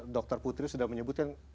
dokter putri sudah menyebutkan